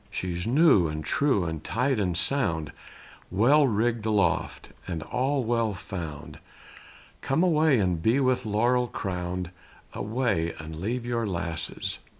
She's new and true, and tight and sound, Well rigged aloft, and all well found Come away and be with laurel crowned, Away and leave your lasses.